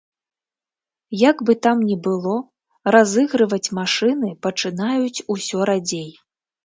Як бы там ні было, разыгрываць машыны пачынаюць усё радзей.